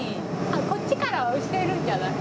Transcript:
あっこっちから押せるんじゃない？